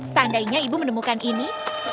seandainya ibu menemukan ini